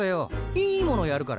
いいものやるから。